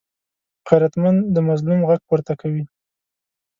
غیرتمند د مظلوم غږ پورته کوي